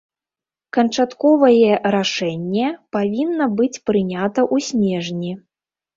Канчатковае рашэнне павінна быць прынята ў снежні.